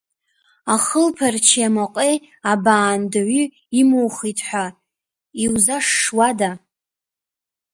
Ахылԥарчи амаҟеи абаандаҩы имухит ҳәа, иузашшуада?